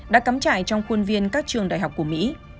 đã cắm trải trong khuôn viên các trường đại học của mỹ